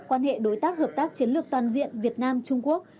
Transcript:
quan hệ đối tác hợp tác chiến lược toàn diện việt nam trung quốc